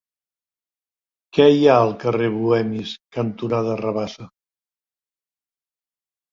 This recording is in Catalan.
Què hi ha al carrer Bohemis cantonada Rabassa?